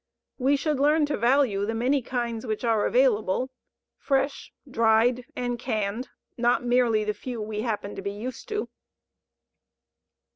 We should learn to value the many kinds which are available, fresh, dried, and canned, not merely the few we happen to be used to.